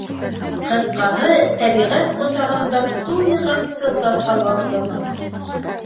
Ҡыҫҡаһы, тәбиғәт ҡосағында туйғансы саф һауа һуланыҡ.